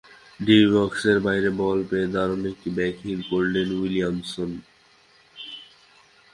D বক্সের বাইরে ball পেয়ে দারুণ এক ব্যাক হিল করলেন উইলিয়ানকে।